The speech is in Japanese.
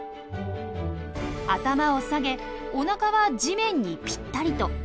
頭を下げおなかは地面にピッタリと。